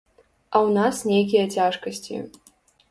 А ў нас нейкія цяжкасці.